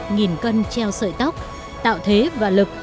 nghìn cân treo sợi tóc tạo thế và lực